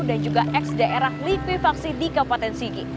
dan x daerah likuifaksi di kabupaten sigi